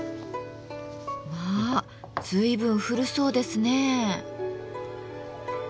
まあ随分古そうですね。